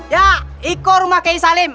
ya ikor rumah keisalim